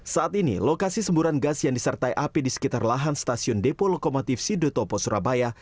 saat ini lokasi semburan gas yang disertai api di sekitar lahan stasiun depo lokomotif sido topo surabaya